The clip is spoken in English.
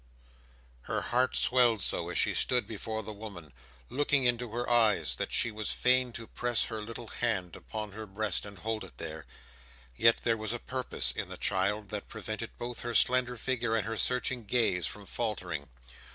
Her heart swelled so as she stood before the woman, looking into her eyes, that she was fain to press her little hand upon her breast and hold it there. Yet there was a purpose in the child that prevented both her slender figure and her searching gaze from faltering.